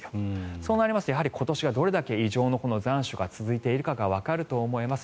そうなりますと、やはり今年がどれだけ異常な残暑が続いているのかわかると思います。